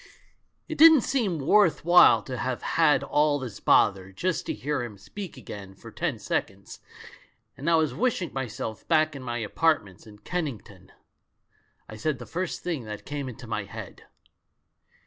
It didn't seem worth while to have had all this bother just to hear him speak again for ten seconds, and I was wishing myself back in my apartments in Kennington. I said the first thing that came into my head.